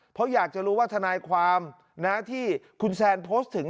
เพราะอยากจะรู้ว่าทนายความที่คุณแซนโพสต์ถึง